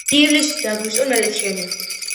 ივლისი და აგვისტო ნალექიანია.